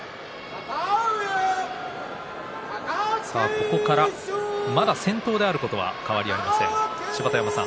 ここから、まだ先頭になることは変わりません。